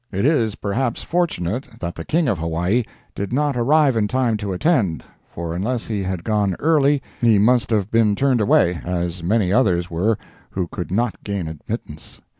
It is perhaps fortunate that the King of Hawaii did not arrive in time to attend, for unless he had gone early he must have been turned away, as many others were who could not gain admittance.